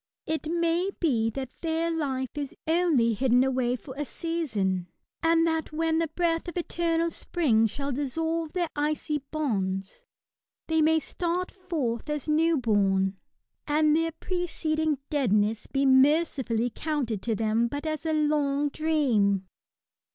It may be, that their life is only hidden away for h3 154 KS8ATS. a season, and that when the breath of the eternal spring shall dissolve their icy bonds, they may start forth as new bom, and their preceding dead* ness be mercifully counted to them but as a long^ dream.